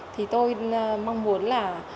thì tôi mong muốn là